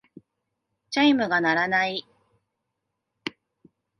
チャイムが鳴らない。